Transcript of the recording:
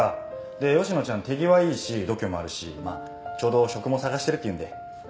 で吉野ちゃん手際いいし度胸もあるしちょうど職も探してるっていうんで。